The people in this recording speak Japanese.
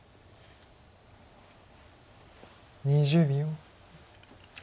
２０秒。